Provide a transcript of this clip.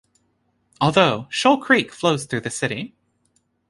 Although, Shoal Creek flows through the city.